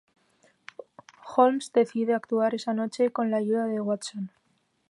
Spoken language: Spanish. Holmes decide actuar esa noche, con la ayuda de Watson.